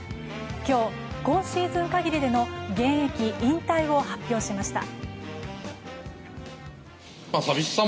今日、今シーズン限りでの現役引退を発表しました。